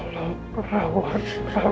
walau perawat kami